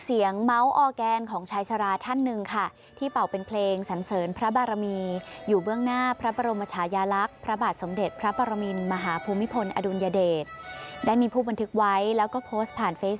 อีกหนึ่งคลิปบนโลกออนไลน์จะภายเหรอทราบซึ้งขนาดไหนติดตามกันเลยค่ะ